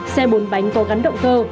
xe bốn bánh có gắn động cơ